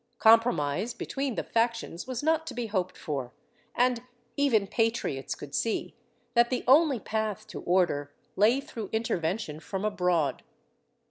Compromise between the factions was not to be hoped for, and even patriots could see that the only path to order lay through intervention from abroad.